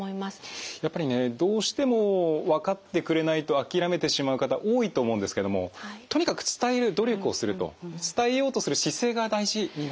やっぱりねどうしても分かってくれないと諦めてしまう方多いと思うんですけどもとにかく伝える努力をすると伝えようとする姿勢が大事になってくるんですよね。